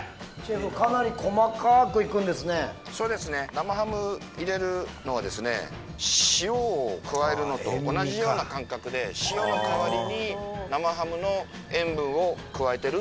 生ハム入れるのは塩を加えるのと同じような感覚で塩の代わりに生ハムの塩分を加えてるっていう。